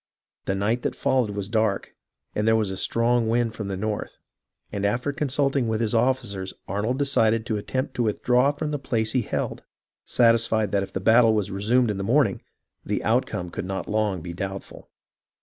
The night that followed was dark, and there was a strong wind from the north, and after consulting with his officers Arnold decided to attempt to withdraw from the place he held, satisfied that if the battle was resumed in the morn ing, the outcome could not be long doubtful.